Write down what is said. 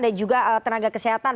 dan juga tenaga kesehatan